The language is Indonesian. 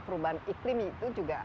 perubahan iklim itu juga